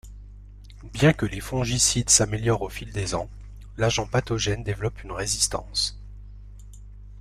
Bien que les fongicides s’améliorent au fil des ans, l’agent pathogène développe une résistance.